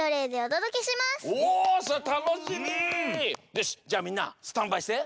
よしじゃあみんなスタンバイして。